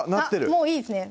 もういいですね